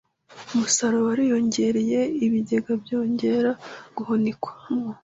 umusaruro wariyongereye ibigega byongera guhunikwamo